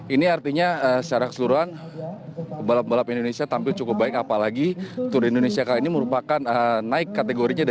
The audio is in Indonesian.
ini artinya secara keseluruhan pembalap pembalap indonesia tampil cukup baik apalagi tour de indonesia kali ini merupakan naik kategorinya